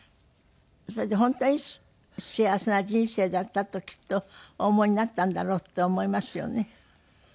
それで本当に幸せな人生だったときっとお思いになったんだろうって思いますよね。